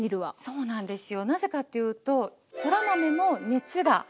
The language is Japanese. そうなんですよ。